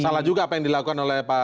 salah juga apa yang dilakukan oleh pak